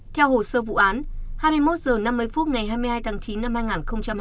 theo hồ sơ vụ án hai mươi một h năm mươi phút ngày hai mươi hai tháng chín năm hai nghìn hai mươi